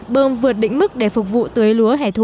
bơm vượt đỉnh mức để phục vụ tưới lúa hẻ thu